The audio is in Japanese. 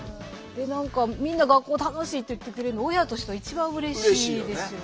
何かみんな学校楽しいって言ってくれるの親としては一番うれしいですよね。